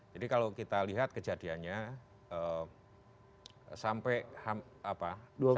jadi kalau kita lihat kejadiannya sampai kira kira dua puluh satu ya